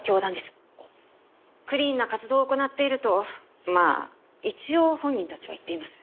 クリーンな活動を行っているとまあ一応本人たちは言っています。